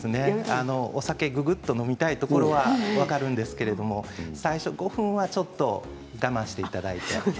お酒を、ぐっと飲みたいところは分かるんですけれど最初５分はちょっと我慢していただいて。